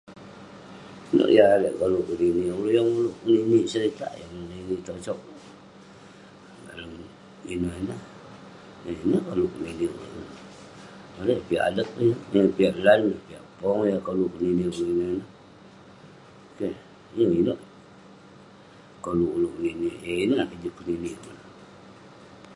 Inuek yah lalek koluek keninek kik yeng ngeninek seritak yeng ngeninek tosok dalem ineh neh yeng ineh koluk keninek kik bareng piak adek keh ineh yeng piak lan piak pong keninek kik ineh keh yeng Inuek koluk oluek ngeninek ineh koluk kik